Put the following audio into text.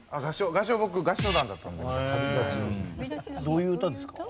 どういう歌ですか？